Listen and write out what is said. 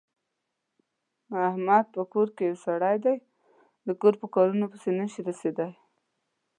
احمد په کور کې یو سری دی، د کور په کارنو پسې نشي رسېدلی.